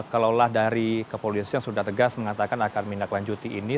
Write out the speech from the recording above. kalau lah dari kepolisian sudah tegas mengatakan akan minat lanjuti ini